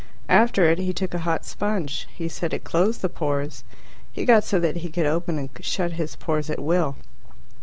After it he took a hot sponge. He said it closed the pores. He got so that he could open and shut his pores at will.